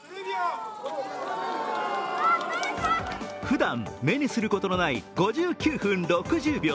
ふだん目にすることのない５９分６０秒。